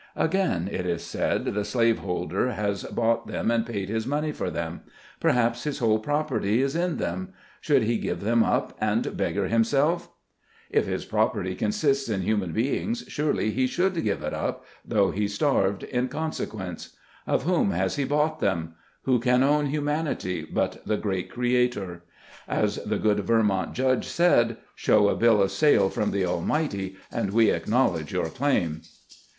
Again, it is said, the slaveholder has bought them and paid his money for them ; perhaps his whole property is in them ; should he give them up, and beggar himself ? If his property consists in human beings, surely he should give it up, though he starved in consequence. Of whom has he bought them ? Who can own humanity but the great Crea tor ? As the good Vermont Judge said — "Show a bill of sale from the Almighty, and we acknowledge your claim."